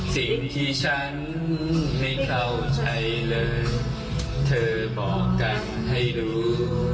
สิ่งที่ฉันไม่เข้าใจเลยเธอบอกกันให้รู้